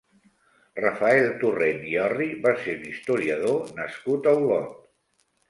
Rafael Torrent i Orri va ser un historiador nascut a Olot.